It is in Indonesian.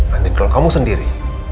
andi kalau kamu sendiri